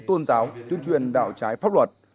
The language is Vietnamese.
tôn giáo tuyên truyền đạo trái pháp luật